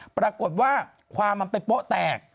ปรากฏว่าความมันไปโป๊ะแตก